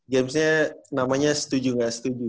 gamesnya namanya setuju gak setuju